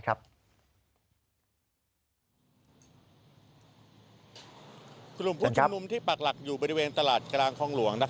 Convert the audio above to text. กลุ่มผู้ชุมนุมที่ปักหลักอยู่บริเวณตลาดกลางคลองหลวง